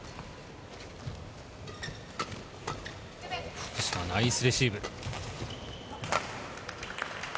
福島、ナイスレシーブ！